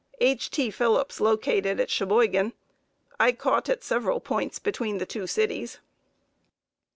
H. T. Phillips located at Cheboygan. I caught at several points between the two cities.